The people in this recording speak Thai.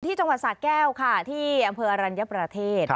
จังหวัดสะแก้วค่ะที่อำเภออรัญญประเทศ